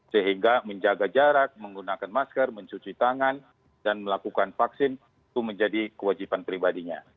sehingga menjaga jarak menggunakan masker mencuci tangan dan melakukan vaksin itu menjadi kewajiban pribadinya